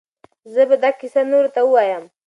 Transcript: زه به دا کیسه نورو ته ووایم.